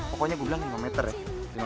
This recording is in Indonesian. pokoknya gue bilang lima meter ya